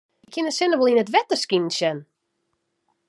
Ik kin de sinne wol yn it wetter skinen sjen.